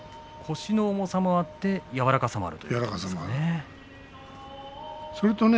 腰の重さもあって柔らかさもあるということですね。